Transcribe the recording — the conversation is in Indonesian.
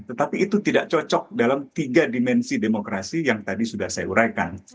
tetapi itu tidak cocok dalam tiga dimensi demokrasi yang tadi sudah saya uraikan